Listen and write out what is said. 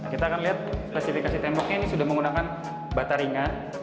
kita akan lihat spesifikasi temboknya ini sudah menggunakan bata ringan